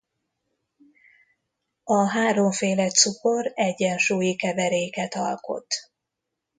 A háromféle cukor egyensúlyi keveréket alkot.